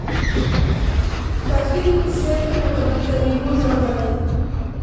تخیل په شعر کې لکه بې کلیمو ژبه دی.